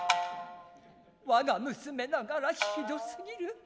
我が娘ながらひどすぎる。